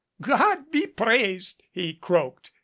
"God be praised!" he croaked.